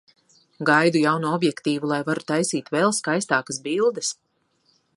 Gaidu jauno objektīvu, lai varu taisīt vēl skaistākas bildes.